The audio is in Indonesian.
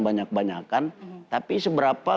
banyak banyakan tapi seberapa